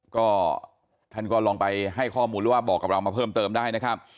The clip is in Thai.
ก็ท่านก็ลองไปให้ข้อมูลหรือว่าบอกกับเรามาเพิ่มเติมได้นะครับ